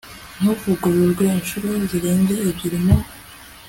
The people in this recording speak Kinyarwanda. ntuvugururwa inshuro zirenze ebyiri mu